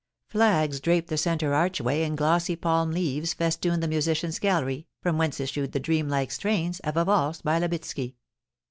Flags draped the centre archway and glossy palm leaves festooned the musicians* gallery, from whence issued the dream like strains of a valse by Labitsky.